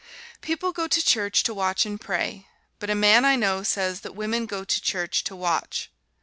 People go to church to watch and pray, but a man I know says that women go to church to watch.